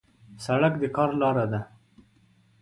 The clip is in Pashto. سړک د کار لار ده.